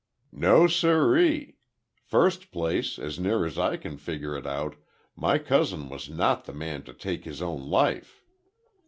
"No sir ee! First place, as near as I can figure it out, my cousin was not the man to take his own life.